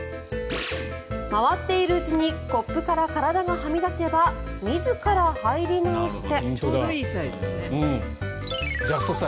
回っているうちにコップから体がはみ出せば自ら入り直して。